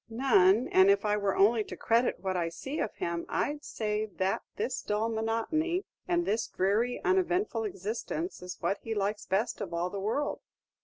"None; and if I were only to credit what I see of him, I 'd say that this dull monotony and this dreary uneventful existence is what he likes best of all the world."